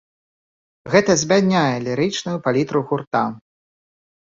Гэта збядняе лірычную палітру гурта.